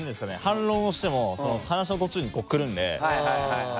反論をしても話の途中に来るんで。